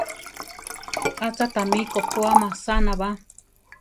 Acha tami kopóa masana ba?